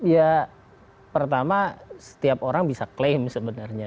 ya pertama setiap orang bisa klaim sebenarnya